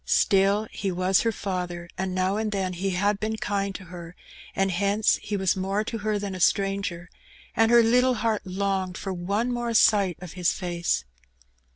Still he was her father^ and now and then he had been kind to her^ and hence he was more to her than a stranger^ and her little heart longed for one more sight of his fiEM^e.